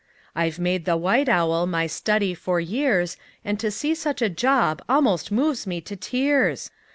I've made the white owl my study for years, And to see such a job almost moves me to tears!